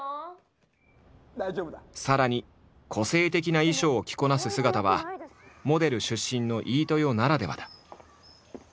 さらに個性的な衣装を着こなす姿はモデル出身の飯豊ならではだ。